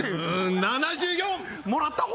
７４！もらった方！